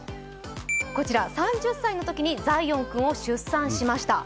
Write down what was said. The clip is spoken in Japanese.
３０歳のときにザイオン君を出産しました。